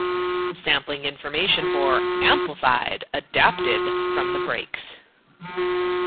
Sampling information for "Amplified" adapted from The-Breaks.